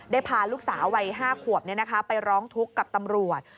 พาลูกสาววัย๕ขวบไปร้องทุกข์กับตำรวจ